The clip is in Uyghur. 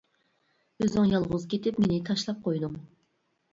ئۆزۈڭ يالغۇز كېتىپ مېنى تاشلاپ قويدۇڭ.